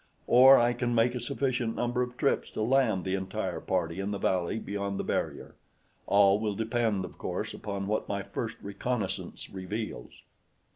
Or I can make a sufficient number of trips to land the entire party in the valley beyond the barrier; all will depend, of course, upon what my first reconnaissance reveals."